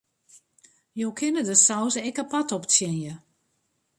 Jo kinne de saus ek apart optsjinje.